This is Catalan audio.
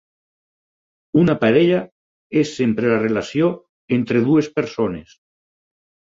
Una parella és sempre la relació entre dues persones.